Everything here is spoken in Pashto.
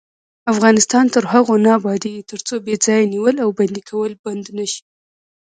افغانستان تر هغو نه ابادیږي، ترڅو بې ځایه نیول او بندي کول بند نشي.